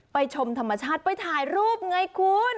ชมธรรมชาติไปถ่ายรูปไงคุณ